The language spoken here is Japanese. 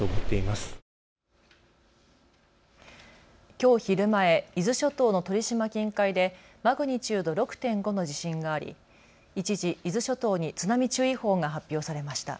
きょう昼前、伊豆諸島の鳥島近海でマグニチュード６．５の地震があり一時、伊豆諸島に津波注意報が発表されました。